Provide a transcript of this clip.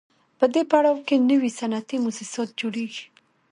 په دې پړاو کې نوي صنعتي موسسات جوړېږي